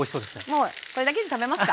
もうこれだけで食べますか？